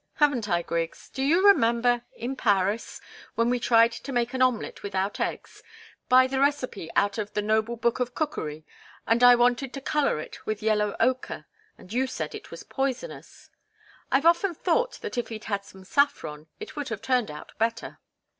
Haven't I, Griggs? Do you remember in Paris when we tried to make an omelet without eggs, by the recipe out of the 'Noble Booke of Cookerie,' and I wanted to colour it with yellow ochre, and you said it was poisonous? I've often thought that if we'd had some saffron, it would have turned out better."